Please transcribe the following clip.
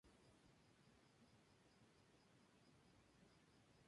Trabaja como investigadora en el "Dto.